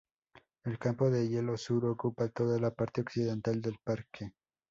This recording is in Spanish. El Campo de Hielo Sur ocupa toda la parte occidental del parque.